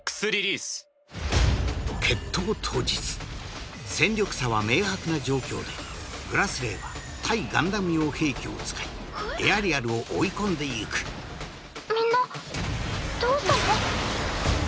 当日戦力差は明白な状況でグラスレーは対ガンダム用兵器を使いエアリアルを追い込んでゆくみんなどうしたの？